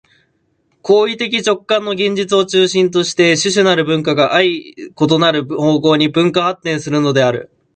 行為的直観の現実を中心として種々なる文化が相異なる方向に分化発展するのである。